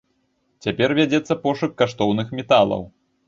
Цяпер вядзецца пошук каштоўных металаў.